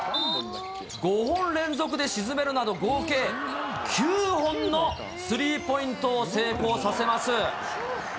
５本連続で沈めるなど、合計９本のスリーポイントを成功させます。